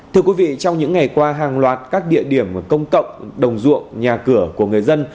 thưa quý vị trong những ngày qua hàng loạt các địa điểm công cộng đồng ruộng nhà cửa của người dân